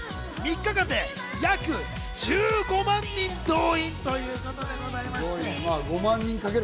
３日間で約１５万人動員ということでございます。